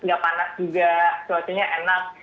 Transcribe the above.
gak panas juga cuacanya enak